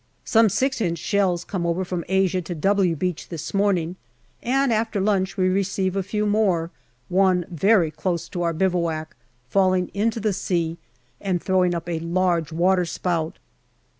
Some 6 inch shells come over from Asia to " W " Beach this morning, and after lunch we receive a few more, one, very close to our bivouac, falling into the sea and throwing up a large waterspout.